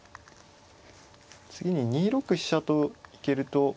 次に２六飛車と行けると。